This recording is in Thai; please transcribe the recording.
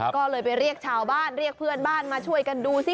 ก็เลยไปเรียกชาวบ้านเรียกเพื่อนบ้านมาช่วยกันดูสิ